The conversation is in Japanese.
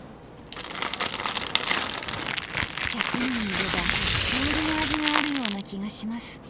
１００人いれば１００通りの味があるような気がします